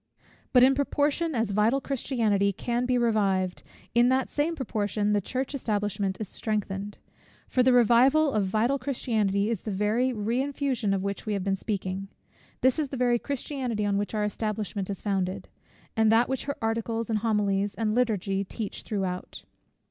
But in proportion as vital Christianity can be revived, in that same proportion the church establishment is strengthened; for the revival of vital Christianity is the very reinfusion of which we have been speaking. This is the very Christianity on which our establishment is founded; and that which her Articles, and Homilies, and Liturgy, teach throughout.